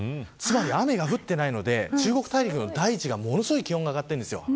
雨が降っていないので中国大陸の大地の気温が上がっているんです。